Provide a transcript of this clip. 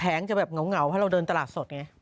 จะแบบเหงาเพราะเราเดินตลาดสดไง